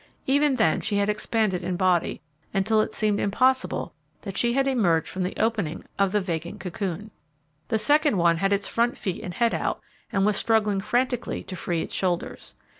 Even then she had expanded in body until it seemed impossible that she had emerged from the opening of the vacant cocoon. The second one had its front feet and head out, and was struggling frantically to free its shoulders.